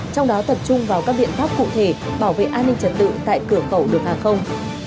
trong đó tập trung vào các biện pháp cụ thể bảo vệ an ninh trật tự tại cửa khẩu đường hàng không